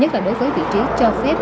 nhất là đối với vị trí cho phép